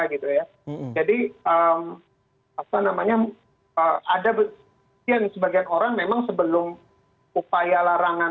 jadi ada sebagian orang memang sebelum upaya larangan